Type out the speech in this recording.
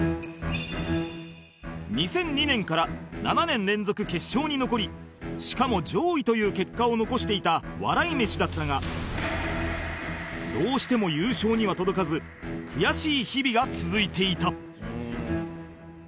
２００２年から７年連続決勝に残りしかも上位という結果を残していた笑い飯だったがどうしても優勝には届かず悔しい日々が続いていた